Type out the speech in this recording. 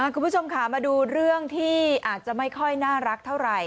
คุณผู้ชมค่ะมาดูเรื่องที่อาจจะไม่ค่อยน่ารักเท่าไหร่